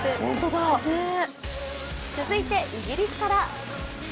続いてイギリスから。